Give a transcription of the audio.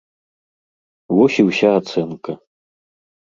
Вось і ўся ацэнка.